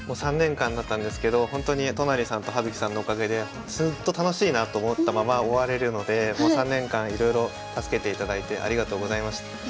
３年間だったんですけどほんとに都成さんと葉月さんのおかげでずっと楽しいなと思ったまま終われるので３年間いろいろ助けていただいてありがとうございました。